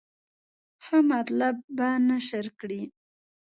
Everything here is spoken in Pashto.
ښه مطالب به نشر کړي.